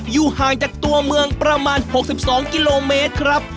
อยู่ห่างจากตัวเมืองประมาณ๖๒กิโลเมตรครับ